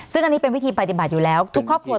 ซึ่งอันนี้เป็นวิธีปฏิบัติอยู่แล้วทุกครอบครัว